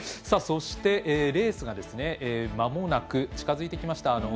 そして、レースがまもなく近づいてきました。